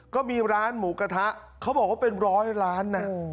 ก็มีร้านหมูกระทะเขาบอกว่าเป็นร้อยร้านนะ